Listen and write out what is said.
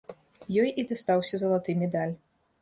Ёй і дастаўся залаты медаль.